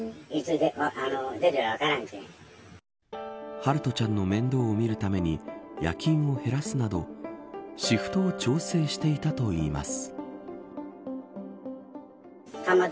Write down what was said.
陽翔ちゃんの面倒をみるために夜勤を減らすなどシフトを調整していたといいます。